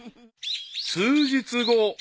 ［数日後］